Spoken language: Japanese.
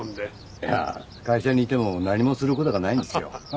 いやあ会社にいても何もする事がないんですよ。